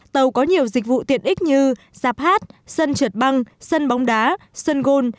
tàu có nhiều dịch vụ tiện ích như giạp hát sân trượt băng sân bóng đá sân gôn